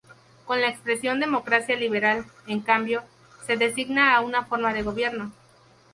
Con la expresión democracia liberal, en cambio, se designa a una forma de gobierno.